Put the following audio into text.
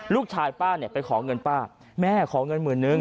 ลูกชายป้าเนี่ยไปขอเงินป้าแม่ขอเงินหมื่นนึง